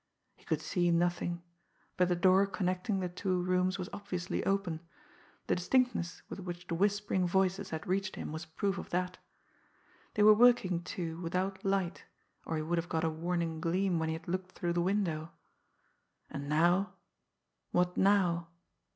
He could see nothing; but the door connecting the two rooms was obviously open the distinctness with which the whispering voices had reached him was proof of that. They were working, too, without light, or he would have got a warning gleam when he had looked through the window. And now what now?